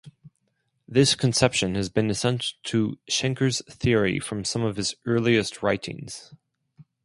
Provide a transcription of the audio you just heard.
This conception has been essential to Schenker's theory from some of his earliest writings.